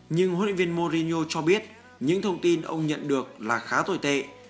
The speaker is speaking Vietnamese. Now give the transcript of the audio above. nhưng huấn luyện viên morino cho biết những thông tin ông nhận được là khá tồi tệ